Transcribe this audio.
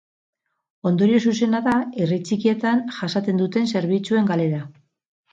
Ondorio zuzena da herri txikietan jasaten duten zerbitzuen galera.